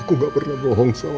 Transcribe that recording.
aku gak pernah bohong sama mama